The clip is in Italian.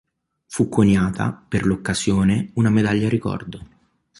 Fu coniata, per l'occasione, una medaglia ricordo.